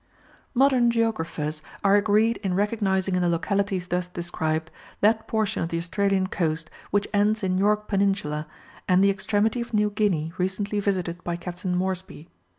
Modern geographers are agreed in recognizing in the localities thus described, that portion of the Australian Coast which ends in York Peninsula, and the extremity of New Guinea recently visited by Captain Moresby.